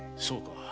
そうか。